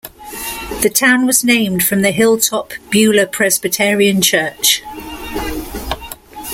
The town was named from the hilltop Beulah Presbyterian Church.